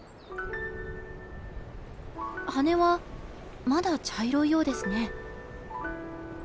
羽はまだ茶色いようですね。